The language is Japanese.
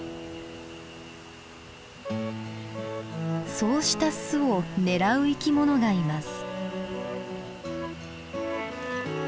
そうした巣を狙う生きものがいます。